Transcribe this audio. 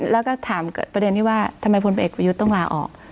แล้วก็ถามประเด็นที่ว่าทำไมพลเอกประยุทธ์ต้องลาออก